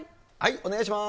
お願いします。